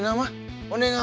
kemarin sih neng lah